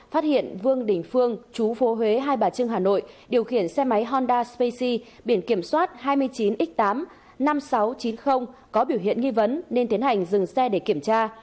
phát hiện vương đình phương chú phố huế hai bà trưng hà nội điều khiển xe máy honda spacey biển kiểm soát hai mươi chín x tám năm nghìn sáu trăm chín mươi có biểu hiện nghi vấn nên tiến hành dừng xe để kiểm tra